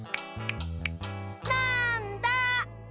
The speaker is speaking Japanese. なんだ？